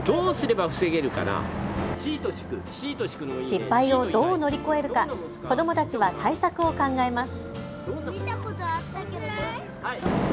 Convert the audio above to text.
失敗をどう乗り越えるか子どもたちは対策を考えます。